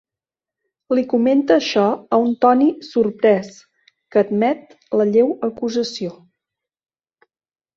Li comenta això a un Tony sorprès, que admet la lleu acusació.